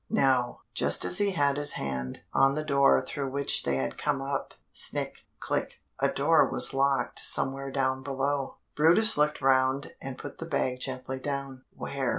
Now just as he had his hand on the door through which they had come up snick! click! a door was locked somewhere down below. brutus looked round and put the bag gently down. "Where?"